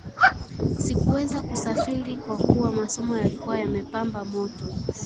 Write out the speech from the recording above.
Sikuweza kusafiri kwa kuwa masomo yalikuwa yamepamba moto